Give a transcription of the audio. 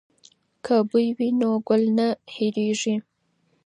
که بوی وي نو ګل نه هیرېږي.